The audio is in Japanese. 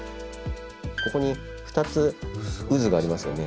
ここに２つ渦がありますよね。